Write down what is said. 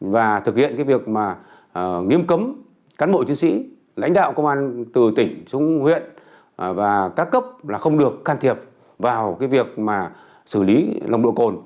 và thực hiện cái việc mà nghiêm cấm cán bộ chiến sĩ lãnh đạo công an từ tỉnh xuống huyện và các cấp là không được can thiệp vào cái việc mà xử lý nồng độ cồn